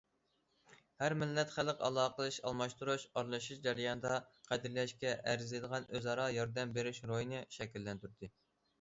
ھەر مىللەت خەلق ئالاقىلىشىش، ئالماشتۇرۇش، ئارىلىشىش جەريانىدا، قەدىرلەشكە ئەرزىيدىغان ئۆزئارا ياردەم بېرىش روھىنى شەكىللەندۈردى.